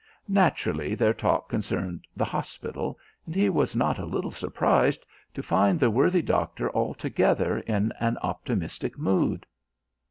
Naturally their talk concerned the hospital and he was not a little surprised to find the worthy doctor altogether in an optimistic mood.